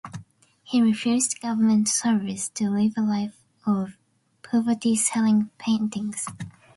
He refused government service to live a life of poverty selling paintings.